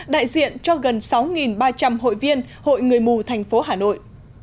đại diện cho gần sáu ba trăm linh hội viên hội người mù thành phố hà nội